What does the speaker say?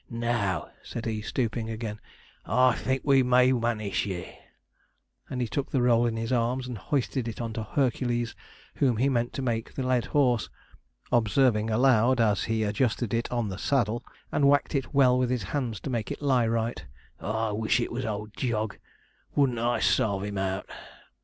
'Now,' said he, stooping again, 'I think we may manish ye'; and he took the roll in his arms and hoisted it on to Hercules, whom he meant to make the led horse, observing aloud, as he adjusted it on the saddle, and whacked it well with his hands to make it lie right, 'I wish it was old Jog wouldn't I sarve him out!'